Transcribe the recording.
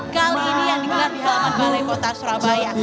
kali ini yang digelar di halaman balai kota surabaya